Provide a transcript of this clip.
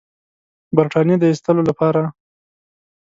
برټانیې د ایستلو لپاره.